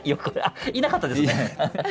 いなかったですね。